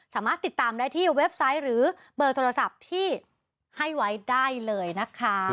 สามารถติดตามได้ที่เว็บไซต์หรือเบอร์โทรศัพท์ที่ให้ไว้ได้เลยนะคะ